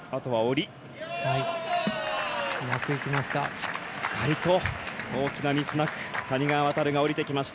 しっかりと大きなミスなく谷川航が下りてきました。